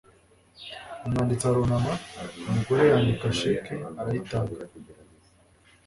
umwanditsi arunama, umugore yandika cheque arayitanga